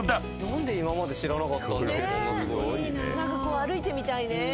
歩いてみたいね。